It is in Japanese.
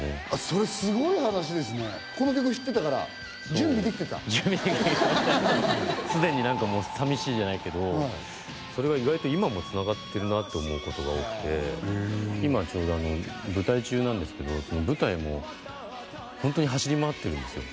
それすごい話ですね準備できてたすでに何かもう寂しいじゃないけどそれが意外と今も繋がってるなと思うことが多くて今ちょうど舞台中なんですけど舞台もホントに走り回ってるんですよ